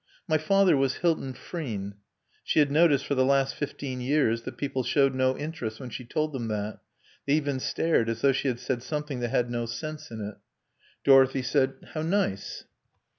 "My father was Hilton Frean." She had noticed for the last fifteen years that people showed no interest when she told them that. They even stared as though she had said something that had no sense in it. Dorothy said, "How nice."